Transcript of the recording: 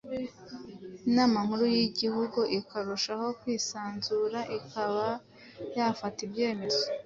Inama Nkuru y'Igihugu ikarushaho kwisanzura ikaba yafata ibyemezo,